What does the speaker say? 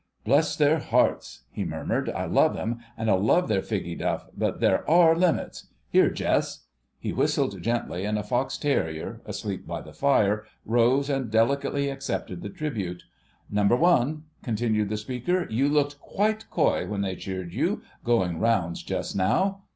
"Bless their hearts," he murmured, "I love them and I love their figgy duff, but there are limits—here, Jess!" He whistled gently, and a fox terrier asleep by the fire rose and delicately accepted the tribute. "Number One," continued the speaker, "you looked quite coy when they cheered you, going rounds just now."